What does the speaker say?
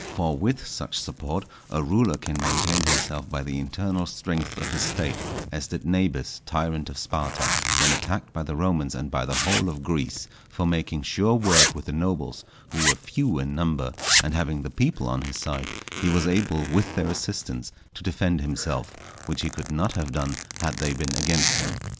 For with such support a ruler can maintain himself by the internal strength of his State, as did Nabis, tyrant of Sparta, when attacked by the Romans and by the whole of Greece; for making sure work with the nobles, who were few in number, and having the people on his side, he was able with their assistance to defend himself; which he could not have done had they been against him.